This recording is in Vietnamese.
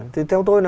thì theo tôi là